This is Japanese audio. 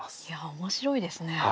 いやあ面白いですね。